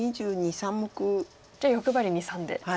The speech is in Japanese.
じゃあ欲張りに２３で。